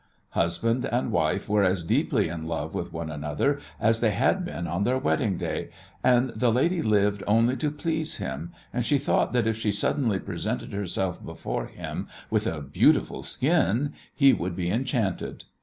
Husband and wife were as deeply in love with one another as they had been on their wedding day, and the lady lived only to please him, and she thought that if she suddenly presented herself before him with a beautiful skin he would be enchanted.